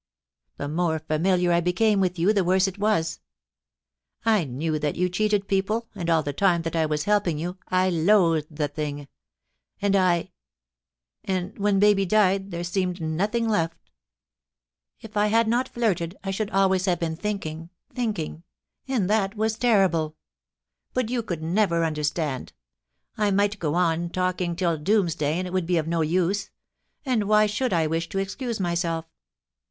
The more familiar I became with you, the worse it was. I knew that you cheated people, and all the time that I was helping you I loathed the thing — and I And when baby died there seemed nothing left If I had not flirted I should always have been thinking, thinking — and that was terrible. ... But you could never understand ; I might go on talking till doomsday and it would be of no use — ^and why should I wish to excuse myself?